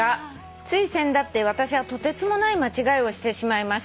「つい先だって私はとてつもない間違いをしてしまいました」